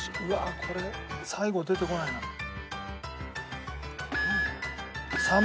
うわこれ最後出てこないな。